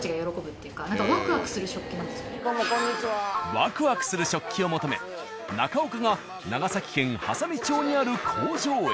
ワクワクする食器を求め中岡が長崎県・波佐見町にある工場へ。